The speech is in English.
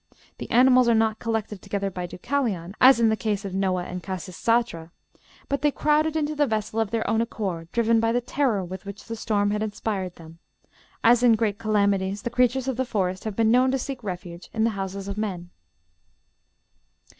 The animals are not collected together by Deucalion, as in the case of Noah and Khasisatra, but they crowded into the vessel of their own accord, driven by the terror with which the storm had inspired them; as in great calamities the creatures of the forest have been known to seek refuge in the houses of men.